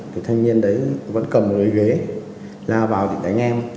thì thanh niên đấy vẫn cầm một đôi ghế la vào thì đánh em